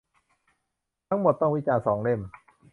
ทั้งหมดต้องวิจารณ์สองเล่ม